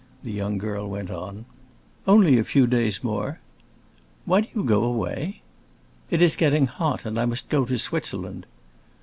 the young girl went on. "Only a few days more." "Why do you go away?" "It is getting hot, and I must go to Switzerland."